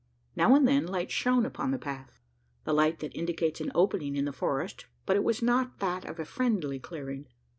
Now and then, light shone upon the path the light that indicates an opening in the forest; but it was not that of a friendly clearing.